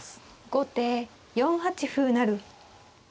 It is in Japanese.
後手４八歩成。